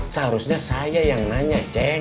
seharusnya saya yang nanya ceng